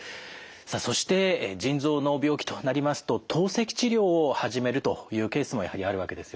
さあそして腎臓の病気となりますと透析治療を始めるというケースもやはりあるわけですよね。